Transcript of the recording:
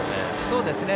そうですね。